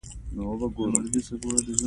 له کابله به کندهار ته راغلم.